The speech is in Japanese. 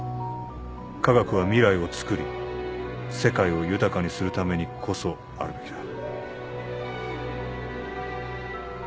科学は未来をつくり世界を豊かにするためにこそあるべきだ。